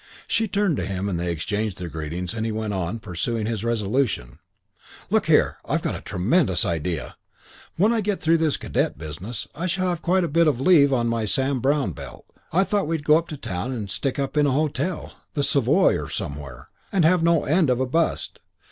She turned to him and they exchanged their greetings and he went on, pursuing his resolution, "Look here, I've got a tremendous idea. When I get through this cadet business I shall have quite a bit of leave and my Sam Browne belt. I thought we'd go up to town and stick up at an hotel the Savoy or somewhere and have no end of a bust.